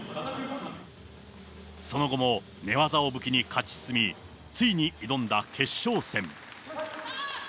その後も寝技を武器に勝ち進み、ついに挑んだ決勝戦。